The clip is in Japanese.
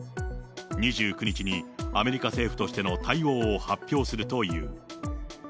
２９日にアメリカ政府としての対応を発表するという。